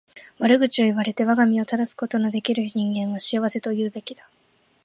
悪口を言われて我が身を正すことの出来る人間は幸せと言うべきだ。